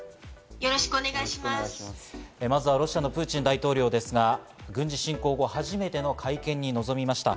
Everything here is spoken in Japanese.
まずはロシアのプーチン大統領ですが、軍事侵攻が初めての会見に臨みました。